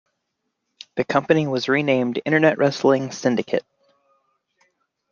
The company was renamed Internet Wrestling Syndicate.